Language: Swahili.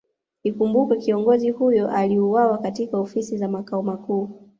Ikumbukwe kiongozi huyo aliuwawa katika Ofisi za Makao Makuu